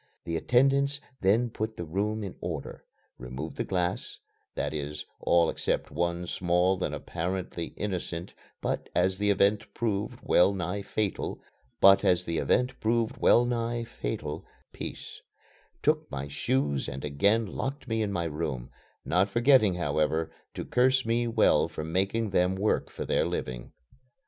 The attendants then put the room in order; removed the glass that is, all except one small and apparently innocent, but as the event proved well nigh fatal, piece took my shoes and again locked me in my room not forgetting, however, to curse me well for making them work for their living.